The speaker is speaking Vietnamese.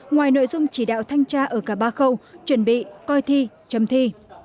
ngoài nội dung chỉ đạo thanh tra ở cả ba khâu chuẩn bị coi thi chấm thi